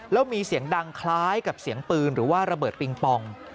แล้วมีเสียงดังคล้ายกับเสียงปืนหรือว่าระเบิดปิงปอง